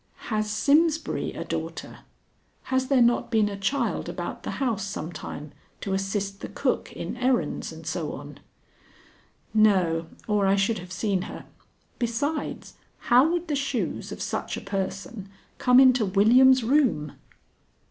"Has Simsbury a daughter? Has there not been a child about the house some time to assist the cook in errands and so on?" "No, or I should have seen her. Besides, how would the shoes of such a person come into William's room?"